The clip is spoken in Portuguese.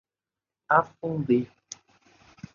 Afudê